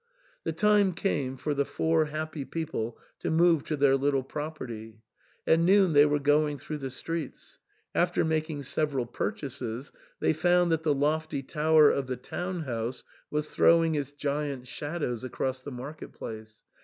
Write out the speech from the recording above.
The time came for the four happy people to move to their little property. At noon they were going through the streets. After making several purchases they found that the lofty tower of the town house was throwing its giant shadows across the market place.